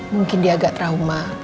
mungkin dia agak trauma